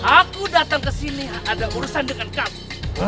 aku datang ke sini ada urusan dengan kamu